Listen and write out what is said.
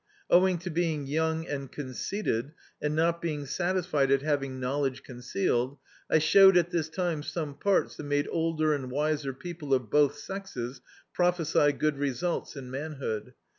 Owing to being young and conceited and not being satisfied at hav ing knowledge concealed, I showed at this time seme parts that made older and wiser people of both sexes prophesy good results in manhood.